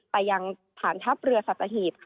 ไปยังผ่านทัพเรือสัตว์สถาหีพ